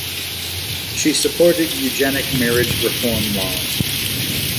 She supported eugenic marriage reform laws.